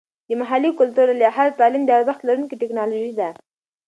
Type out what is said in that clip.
د محلي کلتور له لحاظه تعلیم د ارزښت لرونکې ټیکنالوژي ده.